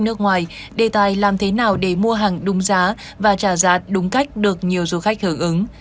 nước ngoài đề tài làm thế nào để mua hàng đúng giá và trả giá đúng cách được nhiều du khách hưởng ứng